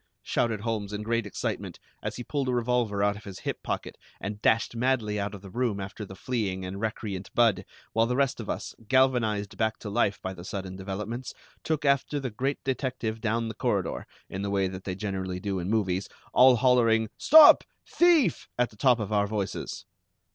shouted Holmes in great excitement, as he pulled a revolver out of his hip pocket and dashed madly out of the room after the fleeing and recreant Budd, while the rest of us, galvanized back to life by the sudden developments, took after the great detective down the corridor, in the way that they generally do in the movies, all hollering: "Stop thief!" at the top of our voices.